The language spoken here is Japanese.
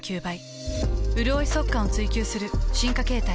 うるおい速乾を追求する進化形態。